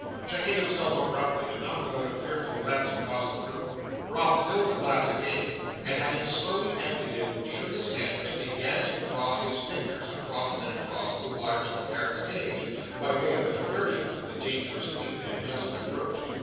Checking himself abruptly, and not without a fearful glance across the room, Rob filled the glass again, and having slowly emptied it, shook his head, and began to draw his fingers across and across the wires of the parrot's cage by way of a diversion from the dangerous theme that had just been broached.